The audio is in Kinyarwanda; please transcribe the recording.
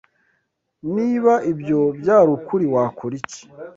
Niba ibyo byari ukuri, wakora iki?